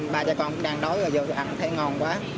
ba cha con cũng đang đói rồi vô ăn thấy ngon quá